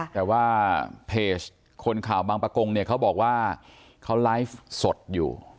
แต่ว่าเพจคนข่าวบางประกงเนี่ยเขาบอกว่าเขาไลฟ์สดอยู่